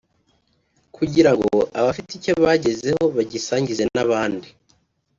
kugira ngo abafite icyo bagezeho bagisangize n’abandi